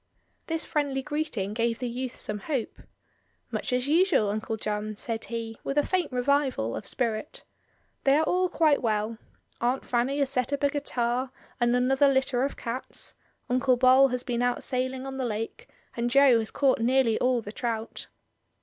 This friendly greeting gave the youth some hope. "Much as usual, Uncle John," said he, with a STELLA MEA. I 75 faint revival of spirit "They are all quite well. Aunt Fanny has set up a guitar and another litter of cats; Uncle Bol has been out sailing on the lake, and Jo has caught nearly all the trout."